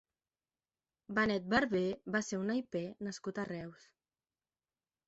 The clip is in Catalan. Benet Barber va ser un naiper nascut a Reus.